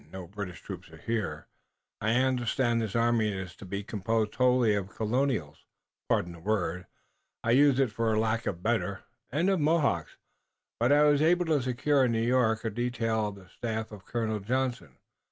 No British troops are here. I understand this army is to be composed wholly of Colonials pardon the word, I use it for lack of a better and of Mohawks. But I was able to secure in New York a detail on the staff of Colonel Johnson.